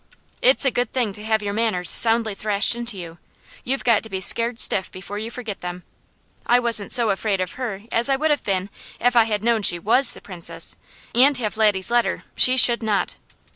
It's a good thing to have your manners soundly thrashed into you. You've got to be scared stiff before you forget them. I wasn't so afraid of her as I would have been if I had known she WAS the princess, and have Laddies letter, she should not.